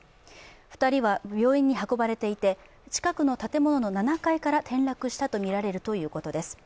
２人は病院に運ばれていて近くの建物の７階から転落したとみられるということです。